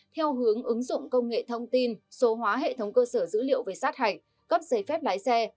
theo hướng ứng dụng công nghệ thông tin số hóa hệ thống cơ sở dữ liệu về sát hạch cấp giấy phép lái xe